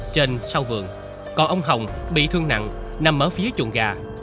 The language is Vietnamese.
trên sau vườn còn ông hồng bị thương nặng nằm ở phía chuồng gà